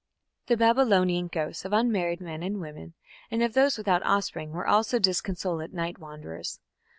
The Babylonian ghosts of unmarried men and women and of those without offspring were also disconsolate night wanderers.